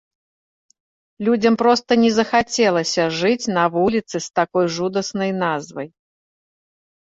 Людзям проста не захацелася жыць на вуліцы з такой жудаснай назвай.